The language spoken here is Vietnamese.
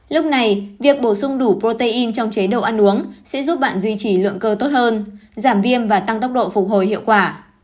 lúc này việc bổ sung đủ protein trong chế độ ăn uống sẽ giúp bạn duy trì lượng cơ tốt hơn giảm viêm và tăng tốc độ phục hồi hiệu quả